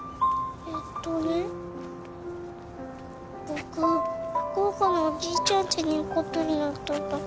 えっとね僕福岡のおじいちゃんちに行くことになったんだ。